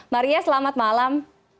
maria selamat malam